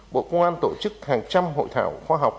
bộ công an tổ chức hàng trăm hội thảo khoa học